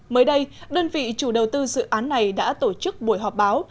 mới đây đơn vị chủ đầu tư dự án này đã tổ chức buổi họp báo